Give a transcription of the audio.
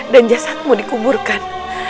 dan jasadmu dikuburkan